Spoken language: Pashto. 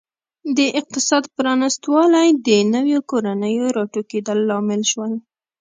د اقتصاد پرانیستوالی د نویو کورنیو راټوکېدل لامل شول.